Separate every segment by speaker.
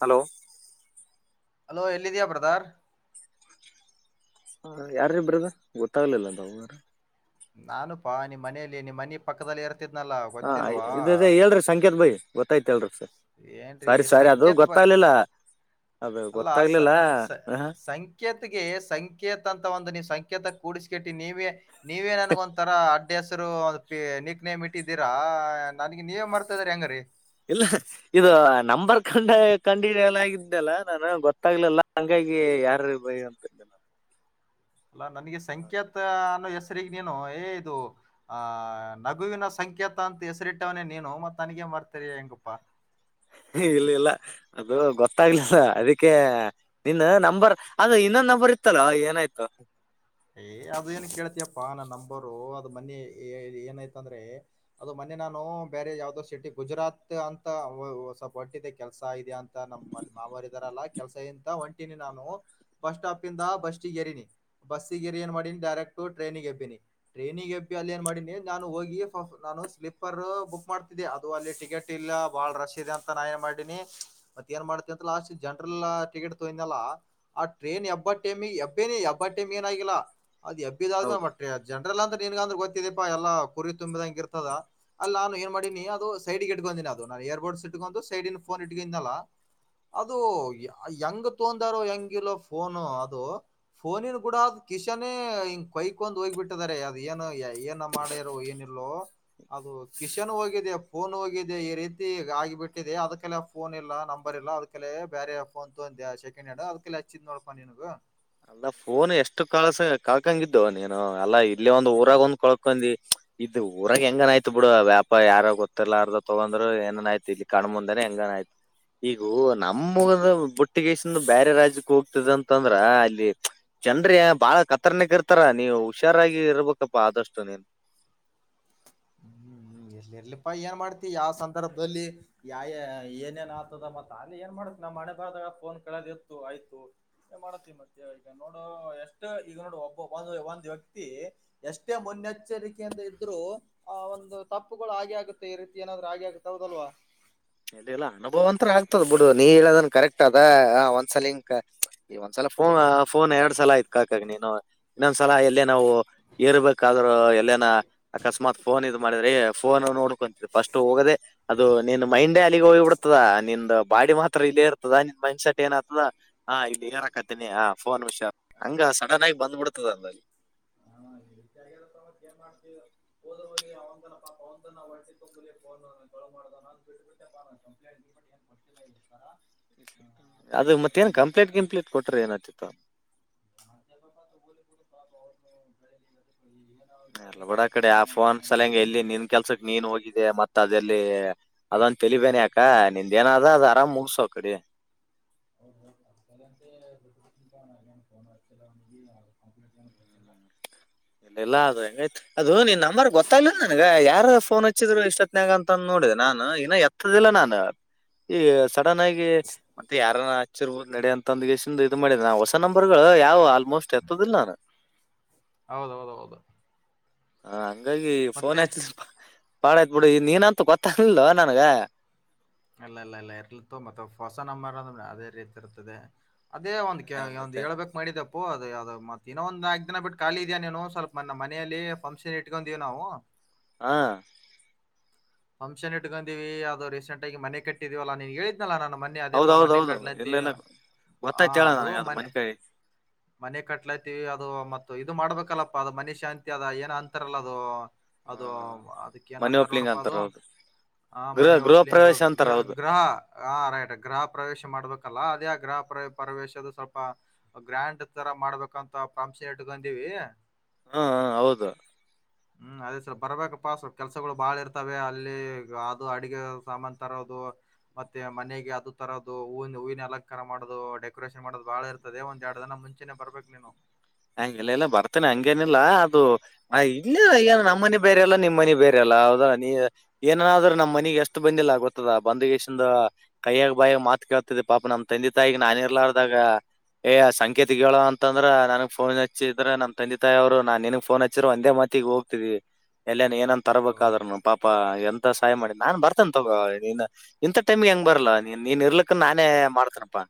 Speaker 1: Hello.
Speaker 2: Hello ಎಲ್ಲಿದಿಯಾ brother.
Speaker 1: ಹ ಯಾರೀ ಬ್ರದರ್ ಗೊತ್ತಾಗ್ಲಿಲ್ಲ ನಾವ್
Speaker 2: ನಾನುಪಾ ನಿಮ್ ಮನೇಲಿ ನಿಮ್ ಮನಿ ಪಕ್ದಲೇ
Speaker 1: ಹಾ ಇದ್ ಇದ್ ಹೇಳ್ರಿ ಸಂಕೇತ್ ಬೈ ಗೊತ್ತಾಯ್ ಸ
Speaker 2: ಏನ್ರೀ
Speaker 1: ಸಾರಿ ಸಾರಿ ಅದು
Speaker 2: ಸಂಕೇತ ಬ
Speaker 1: ಗೊತ್ತಾಗ್ಲಿಲ್ಲ. ಅದು
Speaker 2: ಅಲ್ಲ ಸ
Speaker 1: ಗೊತ್ತಾಗ್ಲಿಲ್ಲ
Speaker 2: ಸ
Speaker 1: ಹ
Speaker 2: ಸಂಕೇತ್ಗೆ ಸಂಕೇತ್ ಅಂತ ಒಂದು ನವ್ ಸಂಕೇತ ಕುಡಿಸ್ಕಟ್ಟಿ ನೀವೆ ನೀವೇನಾನಿಗ್ ಒಂಥರ ಅಡ್ ಹೆಸರು ಅದುಕ್ಕೆ ನೀಕ್ ನೇಮ್ ಇಟ್ಟಿದ್ದೀರಾ ನನಗೆ ನೀವ್ ಮರ್ತದ್ರ ಹೆಂಗರೀ.
Speaker 1: ಹಾ ಇದು ನಂಬರ್ ಕಂಡ ಕಂಡಿಡ್ಯಾಲಾಗಿದ್ದಲ್ಲ ನಾನು ಗೊತಾಗ್ಲಿಲ್ಲ ಹಂಗಾಗಿ ಯಾರ ರ ಬ ಅಂತ
Speaker 2: [inaudible] ಅಲ್ಲ ನನಗೆ ಸಂಕೇತ ಅನ್ನೋ ಸರಿ ಈಗ್ ನೀನು ಏ ಇದು ಆ ನಗುವಿನ ಸಂಕೇತ ಅಂತ ಹೆಸರಿಟ್ಟವನೇ ನೀನು ಮತ್ತ ನನಗೆ ಮರುತ್ರೆ ಹೆಂಗಪ್ಪಾ.
Speaker 1: ಇಲ್ಲ ಇಲ್ಲ ಅದು ಗೊತ್ತಾಗಿಲ್ಲ ಅದಕ್ಕೆ ನಿನ್ನ ನಂಬರ್ ಅದು ಇನ್ನೊ ನಂಬರ್ ಇತ್ತಲ್ಲ ಏನಾಯ್ತು
Speaker 2: ಏ ಅದ ಏನ್ ಕೇಳ್ತಯಪ್ಪಾ ನನ್ನ ನಂಬರು ಅದ ಮನಿ ಏನಾಯ್ತ ಅಂದ್ರೆ ಅದು ಮನ ನಾನು ಬೇರೆ ಯಾವ್ದೋ ಸಿಟಿ ಗುಜರಾತ್ ಅಂತ ಹೊ ಹೊ ಸೋಲ್ಪ್ ಹೊಟ್ಟಿದೆ ಕೆಲಸ ಇದ್ಯಾ ಅಂತ ನಮ್ಮಲ್ ಮಾವಾರ್ ಇದಾರಲ್ಲಾ ಕೆಲ್ಸ ಇಂತ ಒಂಟಿನಿ ನಾನು ಬಸ್ ಸ್ಟಾಪ್ ಇಂದ ಬಸಿಗ್ ಏರನಿ. ಬಸ್ಗೇರ್ ಏನ್ ಮಾಡಿನಿ ಡೈರೆಕ್ಟು ಟ್ರೈನಿಗ್ ಎಬಿನಿ ಟ್ರೈನಿಗ್ ಎಬಿ ಅಲ್ಲಿ ಏನ್ ಮಾಡಿನಿ ನಾನು ಹೋಗಿಫಫ್ ನಾನು ಸ್ಲೀಪರ್ ಬುಕ್ ಮಾಡ್ತಿದೀಯ ಅದು ಅಲ್ಲಿ ಟಿಕೆಟ್ ಇಲ್ಲ ಬಾಳ್ ರಶ್ ಇದೆ ಅಂತ ನಾನ್ ಏನ್ ಮಾಡೀನಿ ಮತ್ ಮಾಡ್ ಅಂತ ಲಾಸ್ಟಿಗ್ ಜನರಲ್ ಟಿಕೆಟ್ ತಗೊಂಡಿದ್ನಲ್ಲ ಆ ಟ್ರೈನ್ ಎಬ್ಬ ಟೈಮಿಗ್ ಎಬ್ಬೆನಿ ಏನ್ ಆಗಿಲ್ಲ ಅದ್ ಎಬಿದಾದ್ಮೇಲ್
Speaker 1: ಹೌದು
Speaker 2: ಮತ್ತೆ ಜನರಲ್ ಅಂದ್ರೆ ನಿಂಗ್ ಅಂದ್ರೆ ಗೊತ್ತಿದೆಪಾ ಎಲ್ಲ ಕುರಿ ತುಂಬಿದಂಗ್ ಇರ್ತದ ಅಲ್ಲಿ ನಾನು ಏನ್ ಮಾಡಿನಿ ಅದು ಸೈಡ್ಗೆ ಇಟ್ಕೊಂಡಿನಿ ಅದು ನ ಇಯರ್ ಬೋಟ್ಸ್ ಇಟ್ಕೊಂಡು ಸೈಡಿಗ್ ಫೋನ್ ಇಡ್ಕಂದ್ನೇಲ್ಲ ಅದು ಆ ಹೆಂಗ್ ತೋಂದಾರೋ ಹೆಂಗಿಲ್ಲೋ ಫೋನು ಅದು ಫೋನಿನ್ ಕೂಡ ಅದು ಕಿಶನೆ ಹಿಂಗೆ ಬೈಕೊಂಡು ಹೋಗಿಬಿಟ್ಟಿದ್ದರೆ ಅದ್ ಏನು ಏನೋ ಮಾಡ್ಯಾರೋ ಏನಿಲ್ಲೋ ಅದು ಕಿಶನ್ ಹೋಗಿದೆ ಫೋನ್ ಹೋಗಿದೆ ಈ ರೀತಿ ಆಗಿಬಿಟ್ಟಿದೆ ಅದಕ್ಕೆ ಫೋನ್ ಇಲ್ಲ ನಂಬರ್ ಇಲ್ಲ ಅದಕಲೆೇ ಬೇರೆ ಫೋನ್ ತ ಸೆಕೆಂಡ್ ಹ್ಯಾಂಡ್ ಅದಕ ಹಚ್ಚಿದ್ ನೋಡ್ಪಿಗ
Speaker 1: ಅಲ್ಲ ಫೋನ್ ಎಷ್ಟು ಕಳಸ ಕಳ್ಕಂಗಿದ್ದು ನೀನು ಅಲ್ಲಾ ಇಲ್ಲೇ ಒಂದು ಊರಾಗ ಒಂದ್ ಕಳ್ಕೊಂಡಿ ಇದ ಊರಾಗ ಹೆಂಗನ್ ಆಯ್ತು ಬಿಡು ವ್ಯಾಪಾರ ಯಾರ ಗೊತ್ತರ್ಲಾರ್ದೋ ತಗಂದ್ರರು ಏನನ್ ಆಯ್ತ ಇ ಕಣ್ಣ ಮುಂದನೆ ಹೆಂಗನ ಆಯ್ತು ಈಗೂ ನಮ್ಮಊರು ಬುಟ್ಟಿಗೇಶಂದು ಬೇರೆ ರಾಜಕ್ಕೆ ಹೋಗ್ತದ ಅಂತಂದ್ರ ಅಲ್ಲಿ ಜನ್ ಬಾಳ ಕತರ್ನಕ್ ಇರ್ತಾರ ನೀವು ಹುಷಾರಾಗಿ ಇರ್ಬೇಕಪ್ಪಾ ಆದಷ್ಟು ನೀನ್
Speaker 2: [inaudible] ಇರ್ಲಿಪ ಏನ್ ಮಾಡ್ತಿ ಯಾವ ಸಂದರ್ಭದಲ್ಲಿ ಯಾ ಏನೇಏನ್ ಆತದ ಮತ್ತ ಅಲ್ಲಿ ಏನ್ ಮಾಡ್ತಿ ನಮ್ಮ್ ಹಣೆ ಬರದಾಗ ಫೋನ್ ಕದ ಇತ್ತು ಆಯ್ತು ಮಾಡತ್ತತಿವಿ ಮತ್ತೆ ಈಗ ನೋಡು ಎಷ್ಟು ಈಗ ನೋಡು ಒಬ್ಬೊಬ್ಬ ಒಂದು ಒಂದು ವ್ಯಕ್ತಿ ಎಷ್ಟೇ ಮುನ್ನೆಚ್ಚರಿಕೆಯಿಂದ ಇದ್ರು ಆ ಒಂದು ತಪ್ಪುಗಳು ಹಾಗೆ ಆಗುತ್ತೆ ಈ ರೀತಿ ಏನಾದ್ರು ಹಾಗೆ ಆಗುತ್ತೆ ಹೌದಲ್ವಾ
Speaker 1: ಅದೆಲ್ಲಾ ಅನುಭವ ಅಂತರ ಆಗ್ತದ್ ಬಿಡು ನೀ ಹೇಳದನ್ ಕರೆಕ್ಟ್ ಅದ ಒಂದ್ಸಲ ಹಿಂಗ ಈ ಒಂದ್ಸಲ ಫೋನ್ ಫೋನ್ ಎರಡ್ ಸಲ ಆಯ್ತ್ ಕಾಕಾಗ ನೀನು ಇನ್ನೊಂದ್ಸಲ ಎಲ್ಲೇ ನಾವು ಏರ್ಬೇಕಾದ ಎಲ್ಲನ ಅಕಸ್ಮಾತ್ ಫೋನ್ ಇ ಮಾಡಿದ್ರೆ ಫೋನ್ ನೋಡ್ಕೊ ಫಸ್ಟ್ ಹೋಗದೆ ಅದು ನೀನು ಮೈಂಡೇ ಅಲ್ಲಿಗ್ ಹೋಗಿ ಬಿಡ್ತದ ನಿಂದ ಬಾಡಿ ಮಾತ್ರ ಇಲ್ಲೇ ಇರ್ತದ ನಿನ್ನ ಮೈಂಡ್ ಸೆಟ್ ಏನ್ ಆತದ ಹಾಕತೀನಿ ಆ ಫೋನ್ ವಿಷ ಹಂಗ ಸಡನ್ ಆಗಿ ಬಂದ್ಬಿಡ್ತದ ಅಂದಲ್ಲಿ
Speaker 2: [unintelligible] ಏನ್ ಮಾಡ್ತವಿ ಹೋದಲ್ಲಿ ಅವ ಪಾಪ ಒಂದು ದಿನ ಹೊಟ್ಟೆ ತುಂಬಲಿ ಫೋನ್ ಕದ್ದನ [unintelligible]
Speaker 1: ಅದು ಮತ್ತೇನ್ ಕಂಪ್ಲೀಟ್ ಕಂಪ್ಲೀಟ್ ಕೊಟ್ರ ಏನತಿತ್ತು
Speaker 2: [unintelligible] ಇತ್ತು ಅಂತ
Speaker 1: ಬುಡಕಡೆ ಆ
Speaker 2: ತೊಗೊಂಡ ನನ್
Speaker 1: ಫೋನ್ ಸಲ ಹಂಗಗೆ ಎಲ್ಲಿ ನಿನ್ ಕೆಲ್ಸಕ್ ನೀನ್ ಹೋಗಿದ್ದ ಮತ್ ಅದಲ್ಲಿ ಅದೊ ತಲಿಬೇನಯಕ ನಿಂದ ಏನಾದ ಅದ ಆರಾಮ್ ಮುಗಸೋ ಕಡೆ
Speaker 2: [unintelligible] [unintelligible] [inaudible]
Speaker 1: ಇಲ್ಲ ಇಲ್ಲ ಆದ್ರೂ ಹೆಂಗ್ತತ್ ಅದು ನಿನ್ ನಂಬರ್ ಗೊತ್ತ್ಲಿಲ್ಲ ನನ್ಗ ಯಾರ ಫೋನ್ ಹಚ್ಚಿದ್ರು ಇಷ್ಟೊತ್ಯಾಗ ಅಂತ ನಾನ ಇನ್ನು ಎತ್ತದಿಲ್ಲ ನಾನು ಈ ಸಡನ್ ಆಗಿ ಮತ್ತೆ ಯಾರ ಹಚ್ಚಿರ್ಬೋದು ನೆಡಿ ಅಂತಂದ ಇದು ಮಾಡಿದೆ ಹೊಸ ನಂಬರ್ಗಳು ಯಾವ್ ಆಲ್ಮೋಸ್ಟ್ ಎತ್ತದಿಲ್ಲ ನಾನು
Speaker 2: ಹೌಹೌದು
Speaker 1: ಹ ಹಂಗಾಗಿ ಫೋನ್ ಎತ್ತಿದು ಸ್ವಲ್ಪ ಬಾಳಯತ್ ಬಿಡಿ ನೀನಂತೂ ಗೊತ್ತಾಗ್ಲಗಿಲ್ಲೋ ನನ್ಗ
Speaker 2: ಇಲ್ಲ ಇಲ್ಲ ಇಲ್ಲ ಇರ್ಲತ ಮತ್ತೆ ಹೊಸ ನಮ್ಮರ ಅಂದ ಅದೇ ರೀತಿ ಇರ್ತದೆ ಅದೇ
Speaker 1: ಹಾ,
Speaker 2: ಒಂದ್
Speaker 1: ಮತ್ತೆ
Speaker 2: ಹೇಳಬೇಕು ಮಾಡಿದೆ ಫೋನ್ ಅಪ್ಪೋ ಅದೇ ಅದ ಮತ್ತ ಇನ್ನೊ ಒಂದ ನಾಲ್ಕಕ್ ದಿನ ಬಿಟ್ಟುಖಾಲಿ ಇದೆಯೇನು ಸ್ವಲ್ಪ ನಮ್ಮ ಮನೆಯಲ್ಲಿ ಫಕ್ಷನ್ ಇಟ್ಕೊಂಡೀವವಿ ನಾವು
Speaker 1: ಹಾ
Speaker 2: ಫಂಕ್ಷನ್ ಇಟ್ಕೊಂಡೀವಿ ಅದದು ರೀಸೆಂಟ್ ಆಗಿ ಮನೆ ಕಟ್ಟಿದೀವಲ್ಲ ನೀನ್ ಹೇಳಿದ ಹೇಳಿದ್ನಲ್ಲ ನಾನು ಮೊನೆೆ ಅದೇಪ ಮನೆ
Speaker 1: ಹೌದೌದೌದು ಇಲ್ಲ
Speaker 2: ಕಡ್ಲತಿ
Speaker 1: ಇಲ್ಲ
Speaker 2: ಆ
Speaker 1: ಗೊತ್ತಾಯ್ತು ಹೇಳ
Speaker 2: ಅದು
Speaker 1: ನನಗೆ
Speaker 2: ಮನೆ
Speaker 1: ಮನಿಕಾಯಿ
Speaker 2: ಮನೆ ಕಟ್ಲಾತಿ ಅದು ಮತ್ತು ಇದು ಮಾಡ್ಬೇಕಲ್ಲಪ್ಪ ಅದು ಮನೆ ಶಾಂತಿ ಅದ ಏನ ಅಂತಾರಲ್ಲ ಅದು ಅದು ಅದಕ್ಕ
Speaker 1: ಮನಿ
Speaker 2: ಏನಂತಾರ ನೋಡ
Speaker 1: ಓಪ್ಲಿಂಗ್ ಅಂತಾರ ಹೌದು
Speaker 2: ಹ
Speaker 1: ಗೃಹ
Speaker 2: ಮನೆ
Speaker 1: ಗೃಹ
Speaker 2: ಒಪ್ಲಿಂಗ
Speaker 1: ಪ್ರವೇಶ ಅಂತಾರ
Speaker 2: ಗ್ರ
Speaker 1: ಹೌದು
Speaker 2: ಗೃಹಪ್ರವೇಶ ಅದೇ ಆ ಗ್ರಹ ಪ್ರವೇಶ ಸ್ವಲ್ಪ ಗ್ರ್ಯಾಂಡ್ ತರ ಮಾಡ್ಬೇಕಂತ ಫಂಕ್ಷನ್ ಇಟ್ಟುಕೊಂದೀನಿ ಡೀವಿ
Speaker 1: ಹಾ ಹ ಹೌದು
Speaker 2: ಹ್ಮ್ ಅದೇ ಸರ್ ಬರ್ಬೇಕಪ್ಪಾ ಸ್ವಲ್ಪ ಕೆಲಸಗಳು ಕ ಬಾಳ ಇರ್ತ ಅಲ್ಲಿ ಅದು ಅಡಗೆ ಸಾಮಾನು ತರೋದು ಮತ್ತೆ ಮನೆಗೆ ಅದು ತರೋದು ಹೂವಿ ಹೂವಿನ ಅಲಂಕಾರ ಮಾಡೋದು ಡೆಕೋರೇಷನ್ ಮಾಡೋದು ಬಹಳ ಇರ್ತದೆ ಒಂದ್ ಎರಡು ದನ ಮುಂಚೆನೆ ಬರ್ಬೇಕಕ್ ನೀನು
Speaker 1: ಹೆ ಇಲ್ಲ ಇಲ್ಲ ಬರ್ತೇನೆ ಹಂಗೇನಿಲ್ಲಾ ಅದು ನ ಇಲ್ಲ ಏನು ನಮ್ಮನೆ ಬೇರೆಲ್ಲ ನಿಮ್ಮ್ ಮನಿ ಬೇರೆಲ್ಲ ಹೌದ ನೀ ಏನನಾದ್ರ ನಮ್ಮ ಮನಗ್ ಎಷ್ಟು ಬಂದಿಲ್ಲ ಗೊತ್ತದ ಬಂದ್ಶದ ಕೈಯಾಗ ಬಾಯಾಗ ಮಾತ್ ಕೇಳ್ತಿದ್ ಪಾಪ ನಮ್ ತಂದೆ ತಾಯಿಗೆ ನಾನ ಇರ್ಲಾರ್ದಾಗ ಏ ಸಂಕೇತಗೆಳು ಅಂತಂದ್ರ ನನಗ್ ಫೋನ್ ಹಚ್ಚಿದ್ರ ನಮ್ಮ ತಂದೆ ತಾಯಿ ಅವ್ರು ನಾನ್ ನಿಗ್ ಫೋನ್ ಹಚ್ಚಿದರೆ ಒಂದೇ ಮತಿಗ್ ಹೋಗ್ತಿದೀವಿ ಎಲ್ಲೇ ಏನನ್
Speaker 2: ಹೌದೌದು
Speaker 1: ತರಬೇಕಾದ್ರರು ಪಾಪ ಎನ್ ಸಹಾಯ ಮಾಡಿ ನಾನ್ ಬರ್ತೇನೆ ತಗೋ ನೀನ್ ಇಂಥ ಟೈಮ್ಗೆ ಹೆಂಗ್ ಬರಲ್ಲಾ ನೀನ್ ನೀನ್ ಇರ್ಲಕ್ಕ ನಾನೇ ಮಾಡ್ತನಪ್ಪಾ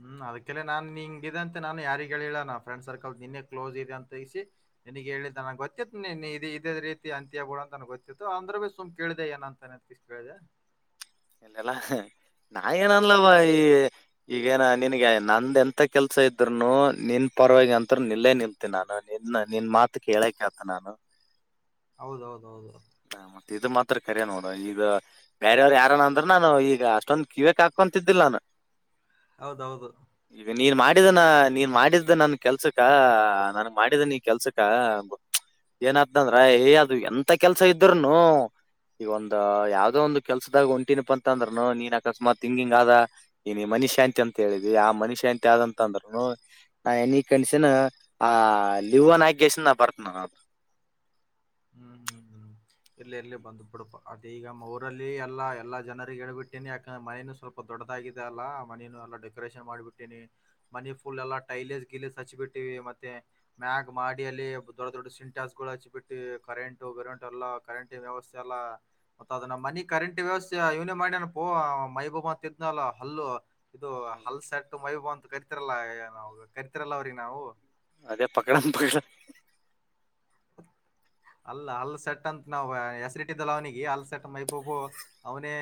Speaker 2: ಹ್ಮ್ ಅದಕ್ಕೆಲ್ಲ ನಾನ್ ನಿಂಗ ಇದ ಅಂತೆ ನಾನು ಯಾರಿಗ ಹೇಳಿಲ್ಲ ನ ಫ್ರೆಂಡ್ ಸರ್ಕಲ್ ನಿನ್ನೆ ಕ್ಲೋಸ್ ಇದೆ ಅಂತೈಸಿ ನಿನಗೆ ಹೇಳಿದ್ದ ನನಗೆ ಗೊತ್ತಿತ್ತು ನೀನ್ ಇದೇ ರೀತಿ ಅಂತಿಯ ಬುಡು ಅಂತ ನ ಗೊತ್ತಿತ್ತು ಅ್ರ ಭ ಸುಮ್ ಕೇಳಿದೆ ಏನ ಅಂತ ಇಷ್ಟ್ ಬೇಗ
Speaker 1: ಇಲ್ಲಲ್ಲ ನಾ ಏನನ್ಲವಾ ಈ ಈಗೇನಾ ನನ್ಗೆ ನಂದ ಎಂತ ಕೆಲ್ಸ ಇದ್ನು ನಿನ್ ಪರವಾಗಿ ಅಂತರು ನಿಲ್ಲೇ ನಿಲ್ತಿ ನಾನು ಇನ್ನ ನಿನ್ ಮಾತು ಕೇಳೆ ಕೇಳ್ತಿನ್ ನಾನು
Speaker 2: ಹೌದೌದ ಹೌದೌದು
Speaker 1: ತ್ರ ಕರ್ಯ ನೋಡ ಈಗ ಬ್ಯಾರು ಯಾರನ್ನ ಅಂದ್ರ ನಾನು ಈಗ ಅಷ್ಟೊಂದು ಕಿವಕ್ ಹಾಕೊಂತಿದ್ದಿಲ್ಲ ನಾನು
Speaker 2: ಹೌದೌದು
Speaker 1: ಈಗ ನೀನ್ ಮಾಡಿದನ ನೀನ್ ಮಾಡಿದ ನನ್ ಕೆಲ್ಸಕ್ಕ ನನ್ಗ್ ಮಾಡಿದ ನೀನ್ ಕೆಲ್ಸಕ್ಕ ಏನತಂದ್ರ ಏ ಅದು ಎಂತ ಕೆಲ್ಸ ಇದ್ರನು ಈಗ ಒಂದ ಯಾವ್ದೋ ಒಂದು ಕೆಲ್ಸದಾಗ ಉಂಟ ತಿನುಪಂತ ಅಂತಂದ್ನು ನೀನ್ ಅಕಸ್ಮಾತ್ ಹಿಂಗಿಂಗ್ ಆದ ಈ ನೀ ಮಷಶಾಂತಿ ಅಂತ ಹೇಳಿದಿ ಆ ಮನುಶಾಂತಿ ಆದಂತ ಅಂದ್ರೂನೂ ನಾ ಎನಿ ಕಣಸನ್ ಆ ಲಿವನ್ ಆ ಕಿಸ್ನ ಪಾರ್ಮ
Speaker 2: ಹ್ಮ್ ಹ್ಮ್ ಇರ್ಲಿ ಇರ್ಲಿ ಬಂದ್ ಪುಡುಪ ಅದ ಈಗ ಊರಲ್ಲಿ ಎಲ್ಲ ಎಲ್ಲ ಜನರಿಗೆ ಹೇಳ್ಬಿಟ್ಟೇನೆ ಯಾಕಂದ್ರೆ ಮೈನ ಸ್ವಲ್ಪ ದೊಡ್ಡದಾಗಿದೆ ಅಲ್ಲ ಮನಿ ಎಲ್ಲ ಡೆಕೋರೇಷನ್ ಮಾಡಿಬಿಟ್ಟಿನಿ ಮನಿ ಫುಲ್ ಎಲ್ಲ ಟೈಲಸ್ ಗಿಲೈಸ್ ಬಿಟ್ಟಿವಿ ಮತ್ತೆ ಮ್ಯಾಗ್ ಮಾಡಿ ಅಲ್ಲಿ ದೊಡ್ಡ ದೊಡ್ಡ ಸಿಂಟಾಸ್ ಗಳು ಹಚ್ಚಿ ಬಿಟ್ಟ ಕರೆಂಟ್ ಗರೆಂಟಟ್ ಎಲ್ಲ ಕರೆಂಟ್ ವ್ಯವಸ್ಥೆ ಎಲ್ಲ ಮತ್ತ ಅದನ್ನ ಮನಿ ಕರೆಂಟ್ ವ್ಯವಸ್ಥೆ ಇವ್ನೇ ಮಾಡ ಇವನಪೊ ಮೈಬೂಬ್ತ ಇದನಲ್ಲ ಹಲ್ಲು ಇದು
Speaker 1: ಹೌದೌದು.
Speaker 2: ಹಲ್ಸೆಟ್ಟು ಮೈಭೂ ಅಂತ ಕರಿತಿರಲ್ಲಾ ನಾವ ಕರಿತಿರಲ್ಲವ್ರೀ ನಾವು
Speaker 1: ಅದೇ ಪಕಡಾಮ ಪೈಲ [unintelligible]
Speaker 2: ಅಲ್ಲ ಹಲ್ ಸೆಟ್ ಅಂತ ನಾವ್ ಹೆಸರಿಟ್ಟಿದ್ದಲ್ಲ ಅವ್ನಿಗೆ ಅಲ್ ಸೆಟ್ ಮೈಬಾಬು ಅವನೇ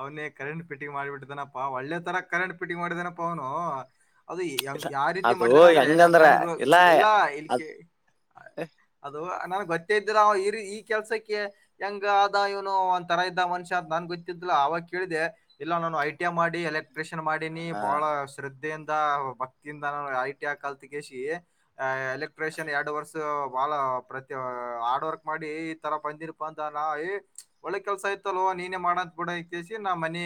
Speaker 2: ಅವನೇ ಕರೆಂಟ್ ಪಿಟ್ಟಿಂಗ್ ಮಾಡಿಬಿಟ್ಟಿದಾನಪ್ಪಾ ಒಳ್ಳೆ ತರ ಕರೆಂಟ್ ಪಿಟ್ಟಿಂಗ್ ಮಾಡಿದಾನಪ್ಪಾ ಅವನು ಅದುಂಗ
Speaker 1: ಇಲ್ಲ
Speaker 2: ಯಾವ ರೀತಿ
Speaker 1: ಅದು
Speaker 2: ಮಾಡಿದೇನ ಅಂದ್ರೆ
Speaker 1: ಹೆಂಗಂದ್ರ
Speaker 2: ನನಗ
Speaker 1: ಇಲ್ಲ
Speaker 2: ಎಲ್ಲಾ
Speaker 1: ಅದ್
Speaker 2: ಇಲ್ಲಿಕೆ ನನ್ ಗೊತ್ತೇ ಇದ್ದ ಇ ಈ ಕೆಲ್ಸಕ್ಕೆ ಹೆಂಗ ಅ ಇವನು ಒಂದ್ರ ಇದ್ದ ಮನುಷ್ಯ ಅ ನನ್ ಗೊ ಕಿದ್ದಿಲ ಆವಾಗ ಕೇಳಿದೆ ಇಲ್ಲಾ ನಾನು ಐಟಿಎ ಮಾಡಿ ಎಲೆಕ್ಟ್ರಿಷಿಯನ್ ಮಾಡಿನಿ
Speaker 1: ಹ
Speaker 2: ಬಹಳ ಶ್ರ ದ್ಧೆಯಿಂದ ಅವರು ಭಕ್ತಿಯಿಂದ ನಾನು ಐ ಟಿ ಹಾ ಕಲ್ ಕೇಶಿ ಎಲೆಕ್ಟ್ರಿಷಿಯನ್ ಎರಡು ವರ್ಷ [unintelligible] ಬಳ ಪ್ರತಿ ಹಾರ್ಡ್ ವರ್ಕ್ ಮಾಡಿ ಈ ತರ ಬಂದಿರ್ಪ ಅಂತಾನ ಏ ಒಳ್ಳೆ ಕೆಲ್ಸ ಇತ್ತಲ್ಲೋ ನೀನೇ ಮಾಡ ಕೂಡ ಇಕ್ಕೆಸಿ ನಮ್ಮನಿ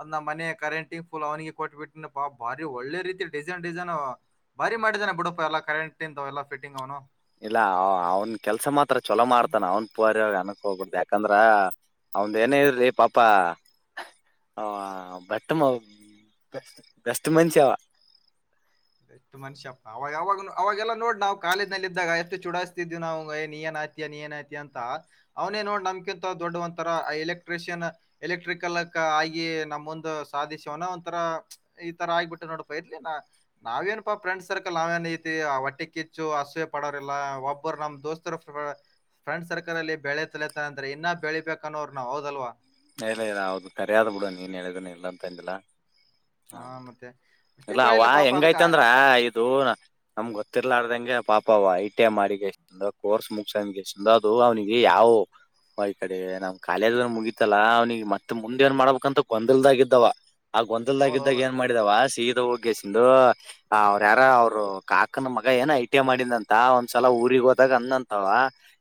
Speaker 2: ಅದ್ ನಮ್ಮ ಮನೆ ಕರೆಂಟಿಂಗ್ ಫುಲ್ ಅವನಿಗೆ ಕೊಟ್ಟಟ್ಬಿಟ್ನಪ್ಪಾ ಭಾರಿ ಒಳ್ಳೆ ರೀತಿ. ಡಿಸೈನ್ ಡಿಸೈನ್ ಅವ ಬಾರಿ ಮಾಡಿದಾನೆ ಬಿಡಪ್ಪ ಎಲ್ಲ ಕರೆಂಟ್ ಇಂದ ಅವೆಲ್ಲ ಫಿಟ್ಟಿಂಗ್ ಅವನು.
Speaker 1: ಇಲ್ಲ ಅವ್ನ್ ಕೆಲ್ಸ ಮಾತ್ರ ಚೊಲೋ ಮಾಡ್ತಾನ ಅವನ್ [unintelligible] ಮನಕ್ ಹೋಗಬಡ್ದ ಯಾಕಂದ್ರ ಅವಂದ ಏನ ಇದ್ರಿ ಪಾಪ ಹ ಬಟ್ಟ ಬೆ ಬೆಸ್ಟ್ ಮಂಷಾವ
Speaker 2: ಎಷ್ಟು ಮಷ್ಯ ಅವಾಗಾಗ ಅವಾಗೆಲ್ಲ ನೋಡ್ ನಾವು ಕಾಲೇಜನಲ್ಲಿ ಇದ್ದಾಗ ಎಷ್ಟು ಚೂಡಾಯಸ್ತಿದ್ ನಾವು ನೀ ಏನ ಅತ್ಯ ನೀನು ಏನಾಯ್ತು ಅಂತ ಅವನೇ ನೋ ನಮ್ಕಿಂತ ದೊಡ್ಡ ಒಂತರ ಎಲೆಕ್ಟ್ರಿಷಿಯನ್ ಎಲೆಕ್ಟ್ರಿಕಲ್ ಆಗಿ ನಮೊಂದ್ ಸಾಧಿಸುವವನ ಒಂಥರ ಈ ತರ ಆಗ್ಬಿಟ್ಟು ನೋಡ್ಪ ಇರ್ಲಿ ನ ನಾವೇನಪ್ಪಾ ಫ್ರೆಂಡ್ ಸರ್ಕಲ್ ನಾವೇನ ಐತಿ ಆ ಒಟ್ಟಿ ಕಿಚ್ಚು ಅಸೂಯೆ ಪಡೋರಿಲ್ಲ ಒಬ್ಬರು ನಮ್ ದೋಸ್ತರ ಪ ಫ್ರೆಂಡ್ ಸರ್ಕಲ್ ಅಲ್ಲಿ ಬೆಳೆ ತಲತ ಅಂದ್ರೆ ಇನ್ನ ಬೆಳಿಬೇಕನ್ನೋರ ನಾವು ಹೌದಲ್ವಾ
Speaker 1: ಇಲ್ಲ ಇಲ್ಲ ಹೌದು ಕರೆಯಾದ್ ಬಿಡು ನೀನ್ ಹೇಳಿದ ಇಲ್ಲ ಅಂತ ಅಂದಿಲ್ಲಾ
Speaker 2: ಹಾ ಮತ್ತೆ ಅಷ್ಟೇ
Speaker 1: ಇಲ್ಲ ಅವ
Speaker 2: ಬೆಳಿಲಿ ಪಾಪ ಅದಕ್ಕ
Speaker 1: ಹೆಂಗೈತ್ ಅಂದ್ರ ಇದು ನಮ್ಗ್ ಗೊತ್ತಿರ್ಲದಂಗೆ ಆ ಪಾಪ್ ಪ ಅವ ಐ ಟಿ ಐ ಮಾಡಿ ಎಷ್ಟಂದ ಕೋರ್ಸ್ ಮುಗಸಂದ ಎಷ್ಟಂದ ಅದು ಅವನಿಗೆ ಯಾವು. [unintelligible] ಈ ಕಡೆ ನಮ್ ಕಾಲೇಜ ಮುಗಿತ್ ಇತ್ತಲ್ಲಾ ಅವ್ನಿಗೆ ಮತ್ತೆ ಮುಂದೇನ್ ಮಾಡಬೇಕಂತ ಗೊಂದಲದಾಗಿದ್ದವ ಆ ಗೊಂದಲದಾಗಿದ್ದಾಗ
Speaker 2: ಹೌದೌದು
Speaker 1: ಏನ್ ಮಾಡಿದಾವ ಸೀದ್ ದಾ ಹೋಗ್ಯಸಂದು ಅವ್ರು ಯಾರ ಅವರು ಕಾಕನ ಮಗ ಏನೋ ಐ ಟಿ ಐ ಮಾಡಿದ್ನಂತ ಒಂದ್ಸಲ ಊರಿಗ್ ಗ್ ಹೋದಾಗ ಅಂದ್ನಂತವ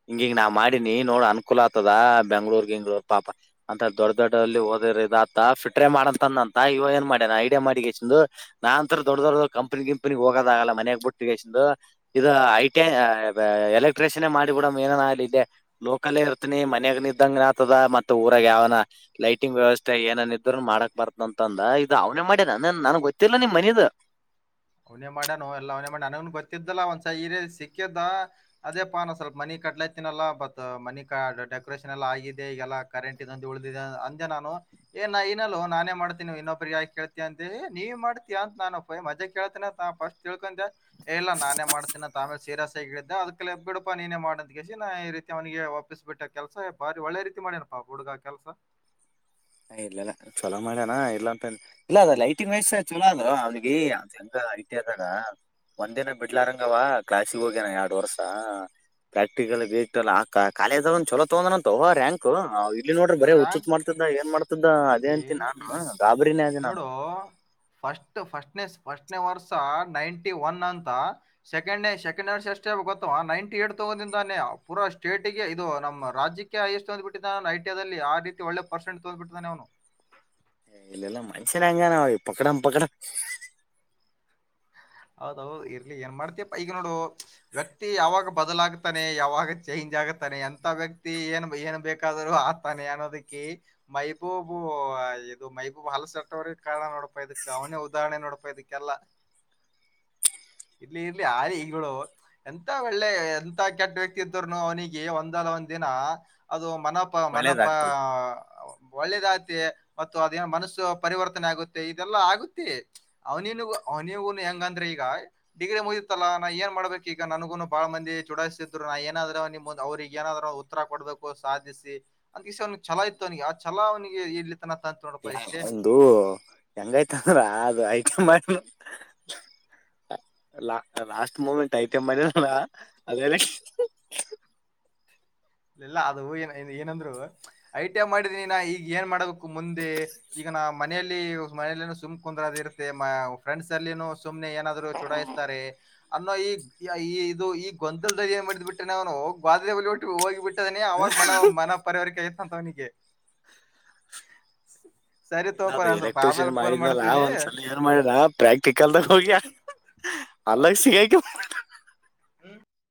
Speaker 1: ಹಿಂಗಿಂಗ್ ನಾವ್ ಮಾಡೀನಿ ನೋಡ್ ಅನ್ಕೂಲ ಆಗ್ತದ ಬೆಂಗ್ಳೂರ್ ಗಿಂಗ್ಳೂರ್ ಪಾಪ. ಅಂತ ದೊಡ್ಡ ದೊಡ್ಡಲ್ಲಿ ಓದಿರ್ ಆತ ಫಿಟ್ರೆ ಮಾಡಂತಂದಂತ ಇವ ಏನ್ ಮಾಡ್ಯನಾ ಐಡಿಯಾ ಮಾಡಿಗೆಸಿಂದು. ನಾನಂತ್ರ ದೊಡ್ಡ ದೊಡ್ಡ ಕಂಪನಿ ಗಿಂಪನಿ ಹೋಗೋದಾಗಲ್ಲ ಮನೆಯಾಗ್ ಬುಟ್ಟ್ಗೆಸಿಂದು ಇದು ಐ ಟಿ ಐ [unintelligible] ಏ ಎಲೆಕ್ಟ್ರಿಷನೇ ಮಾಡಿಬಿಡಮ್ ಏನಾನ ಆಗ್ಲಿ ಇದೆ ಲೋಕಲ್ಲೇ ಇರ್ತಿನಿ ಮನ್ಯಾಗ್ ನಿದ್ದಂಗನಾತದ ಮತ್ತ ಯಾವನ ಲೈಟಿಂಗ್ ವ್ಯವಸ್ಥೆ ಏನನ್ ಇದ್ರು ಮಾಡಕ್ ಬರ್ತನ ಅಂತಂದ ಇದು ಅವನೇ ಮಾಡನ ನನಗ್ ಗೊತ್ತಿಲ್ ಲ್ಲ ನಿಮ್ ಮನಿದ
Speaker 2: [inaudible] ಅವನೇ ಮಾಡನು ಎಲ್ಲ ಅವ್ನೇ ಮಾಡಣ ನನನ್ ಗೊತ್ತಿದ್ದಲ್ಲ ಒಂದ್ಸ ಸಿಕ್ಕಿದ್ದ ಅದೇ ಪಾನ ಸ್ವಲ್ಪ ಮನಿ. ಕಟ್ಲತಿನಲ್ಲಾ ಬತ್ ಮನಿ ಕ ಡೆಕೋರೇಷನ್ ಎಲ್ಲಾ ಆಗಿದೆ ಈಗಲ್ಲ ಕರೆಂಟ್ ಇದಂದು ಉಳಿದಿದೆ ಅಂದೆ ನಾನು. ಏ ನಾ ಇನಲ್ಲೋ ನಾನೇ ಮಾಡ್ತೀನ ಇನ್ನೊಬ್ರಿಗೆ ಯಾಕ ಕೇಳ್ತಿಯಾ ಅಂತೇಳಿ ನೀವ್ ಮಾಡ್ತೀಯ ಅಂತ ನಾನ್ ಅಪ್ಪಯ್ಯ ಮಧ್ಯಕ್ ಕೇಳ್ತಿನ ಫಸ್ಟ್ ತಿಳ್ಕೊಂಡೆ ಇಲ್ಲ ನಾನೇ ಮಾಡ್ತೇನಂತ ಆಮೇಲೆ ಸೀರಿಯಸ್ ಆಗಿ ಹೇಳಿದ್ದ ಅದಕ್ಕೆಲ್ಲತ್ತ್ ಬಿಡುಪಾ ನೀನೇ ಮಾಡ್ ನತ್ತ್ಗೇಸಿ ನಾ ಈ ರೀತಿ ಅವನಿಗೆ ಒಪ್ಪಿಸ್ಬಿಟ್ಟೆ ಕೆಲ್ಸ ಬಾರಿ ಒಳ್ಳೆ ರೀತಿ ಮಾಡೇನಪ್ಪಾ ಹುಡುಗ ಕೆಲಸ. [inaudible]
Speaker 1: ಇಲ್ಲಲ್ಲ ಚಲೋ ಮಾಡ್ಯನ ಇಲ್ಲ ಅಂತ ಇಲ್ಲ ಅದ ಲೈಟಿಂಗ್ ವಯಸ್ಸ ಚಲೋ ಅದ್ ಅವ್ನಿಗೆ [unintelligible] ಐತಿ ಅದಣ ಒಂದಿನ ಬಿಡ್ಲಾರಂಗವ ಕ್ಲಾಸಿಗ್ ಹೋಗ್ಯನ ಎರ್ಡ್ ವರ್ಷ. ಪ್ರಾಕ್ಟಿಕಲ್ ಬೇಕಲ್ಲ ಆ ಕಾಲೇಜಾಗ್ ಅವ್ನ್ ಚಲೋ ತಗಂದನಂತೋ ರ್ಯಾಂಕ್. ಇಲ್ಲಿ ನೋಡ್ರೆ ಬರ ಹುಚ್ಚುಚ್ಚ್ ಮಾಡ್ತಿದ್ದ ಈಗ.
Speaker 2: ಲೇ ಈ
Speaker 1: ಗಾಬರಿನೇ ಅದೆ
Speaker 2: ಈಗ್
Speaker 1: ನಾನು
Speaker 2: ನೋಡು ಫಸ್ಟ್ ಫಸ್ಟ್ನೆಸ್. ಫಸ್ಟ್ನೇ ವರ್ಷ ನೈಂಟಿ ಒನ್ ಅಂತ ಸೆಕೆಂಡ್ನೇ ಸೆಕೆಂಡ್ ವರ್ಷ ಎಷ್ಟೇ ಗೊತ್ತವ ನೈನ್ಟಿ ಯೇಟ್ ಚಿಕ್ಕವನಿಂದಾನೆ ಪುರ ಸ್ಟೇಟ್ಗೆ ಇದು ನಮ್ಮ ರಾಜ್ಯಕ್ಕೆ ಹೈಯೆಸ್ಟು ಓದ್ಬಿಟ್ಟಿದ್ದ ಐ [unintelligible] ಆ ರೀತಿ ಒಳ್ಳೆ ಪರ್ಸೆಂಟ್ ತೋಂದ್ಬಿಟ್ಟಿದ್ದಾನೆ ಅವನು.
Speaker 1: ಹೇ ಇಲ್ಲೆಲ್ಲ ಮನುಷ್ಯರೆ ಹಂಗೆ ನೋಡಿ ಪಕಡಂ ಪಕಡ.
Speaker 2: ಹಾ ಹಾ. ಹೌದೌದು ಇರ್ಲಿ ಏನ್ ಮಾಡ್ತಿಯಪ್ಪ ಈಗ ನೋಡು ವ್ಯಕ್ತಿ ಯಾವಾಗ ಬದಲಾಗತಾನೆ ಯಾವಾಗ ಚೇಂಜ್ ಆಗ್ ತಾನೆ ಎಂತ ವ್ಯಕ್ತಿ ಏನ್ ಏನ್ ಬೇಕಾದ್ರು ಆತಾನೆ ಅನ್ನೋದಕ್ಕೆ ಮೈಬೂಬು ಇದು ಮೈಬೂಬ ಹಲ್ಸಟ್ಟವ್ರಿಗೆ ಕಾರಣ ನೋಡಪ್ಪ ಇದಕ್ ಅವನೇ ಉದಾಹರಣೆ ನೋಡಪ್ಪ ಇದಕ್ಕೆಲ್ಲಾ. [inaudible] ಇರ್ಲಿ ಇರ್ಲಿ ಆಲಿ ಈಗಳು ಎಂತ ಒಳ್ಳೆ ಎಂತ ಕೆಟ್ಟ ವ್ಯಕ್ತಿ ಇದ್ದ್ರೂನು ಅವನಿಗೆ ಒಂದ್ ಮುಂದಲ ಒಂದಿನ ಅದು ಮನಪ ಮನಪ.
Speaker 1: ಒಳ್ಳೇದಾಗ್ತದ
Speaker 2: ಒಳ್ಳೆದಾಗತಿ ಮತ್ತು ಅದೇನ ಮನಸ್ಸು ಪರಿವರ್ತನೆ ಆಗುತ್ತೆ ಇದೆಲ್ಲಾ ಆಗುತ್ತೆ ಅವನಿನುಗ ನೀವುನು ಹೆಂಗಂದ್ರೆ ಈಗ ಡಿಗ್ರಿ ಮುಗಿತ್ತಲ್ಲಾ ನಾ ಏನ್ ಮಾಡ್ಬೇಕ್ ಈಗ ನನ್ಗುನು ಬಾಳ ಮಂದಿ ಚೂಡಾಯಿಸಿದ್ರು. ಪಾ ಏನಾದ್ರ್ ಅವ್ರಿಗೆ ಏನಾದ್ರ್ ಉತ್ತರ ಕೊಡ್ಬೇಕು ಸಾಧಿಸಿ ಅಂತಸ ಅವ್ನಿಗೆ ಛಲ ಇತ್ತು ಅವನಿಗೆ ಆ ಛಲಾ ಅವನಿಗೆ ಇಲ್ಲ್
Speaker 1: ಒಂದು ಹೆಂಗಾಯ್ತಂದ್ರ ಅದು ಮಾಡ
Speaker 2: [inaudible]
Speaker 1: ಲಾ ಲಾಸ್ಟ್ ಮೂಮೆಂಟ್ ಐಟಂ ಅದಲ್ಲ ಅದೆಲ್ಲ
Speaker 2: [inaudible] ಲಿಲ್ಲ ಅದು ಏ ಏನಂದ್ರು ಐ ಟಿ ಐ ಮಾಡಿದನಿನ ಈಗ ಏನ್ ಮಾಡಬೇಕು ಮುಂದೆ ಈಗ ನ ಮನೆಯಲ್ಲಿ ಮನೆಯಲ್ಲಿ ಸುಮ್ ಕುಂದ್ರದ ಇರುತ್ತೆ ಫ್ರೆಂಡ್ಸ್ ಅಲ್ಲಿನು ಸುಮ್ನೆ ಏನಾದ್ರು ಚೂಡಾಯಿಸ್ತಾರೆ. ಅನ್ನೋ ಈ ಈ ಇದು ಈ ಗೊಂದಲದಾಗೆ ಏನ್ ಮಾಡಿದ್ ಬಿಟ್ಟೆನ ಅವನು [unintelligible] ಹೋಗಿ [unintelligible] ಅವಾಗ ಮನ ಮನ ಪರಿವಾರಿಕೆ ಆಯ್ತಂತ್ ಅವನಿಗೆ. ಸರಿ
Speaker 1: ಇಲ್ಲ
Speaker 2: ತೋಪ
Speaker 1: ಅದು
Speaker 2: ನಾ ಸ್ವಲ್ಪ
Speaker 1: ಎಲೆಕ್ಟ್ರಿಷಿಯನ್
Speaker 2: ಆಮೇಲೆ ಫೋನ್
Speaker 1: ಮಾಡಿದನಲ್ಲಾ
Speaker 2: ಮಾಡ್ತೀನಿ
Speaker 1: ಒಂದ್ಸಲ ಏನ್ ಮಾಡಿದ ಪ್ರಾಕ್ಟಿಕಲ್ದಾಗ ಹೋಗ್ಯ. ಅಲ್ಲೋಗ್ ಸಿಗೈಕ [unintelligible]
Speaker 2: ಹ್ಮ